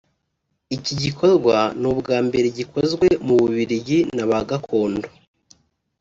Iki gikorwa ni ubwa mbere gikozwe mu Bubiligi n’Abagakondo